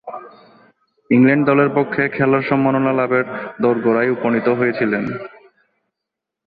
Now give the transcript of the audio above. England দলের পক্ষে খেলার সম্মাননা লাভের দোরগোড়ায় উপনীত হয়েছিলেন।